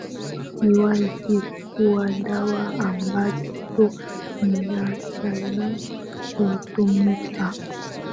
ni wazi kuwa dawa ambazo zinastahili kutumika